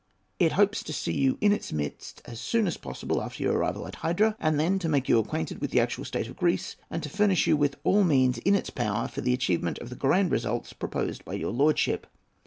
It hopes to see you in its midst as soon as possible after your arrival at Hydra, and then to make you acquainted with the actual state of Greece, and to furnish you with all the means in its power for the achievement of the grand results proposed by your lordship."